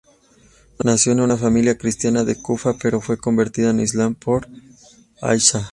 Nació en una familia cristiana de Kufa pero fue convertida al Islam por Aisha.